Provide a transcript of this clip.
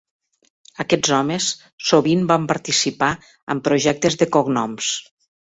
Aquests homes sovint van participar en projectes de cognoms.